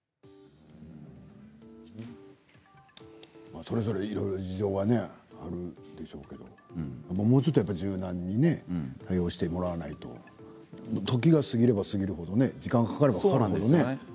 それぞれ、いろいろ事情はあるんでしょうけどもうちょっと柔軟にね対応してもらわないと時が過ぎれば過ぎるほど時間がかかればかかるほどね